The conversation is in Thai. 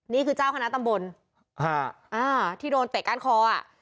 นี่คือเจ้าคณะตำบลที่โดนเตะก้านคออ่ะ